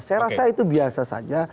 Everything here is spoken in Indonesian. saya rasa itu biasa saja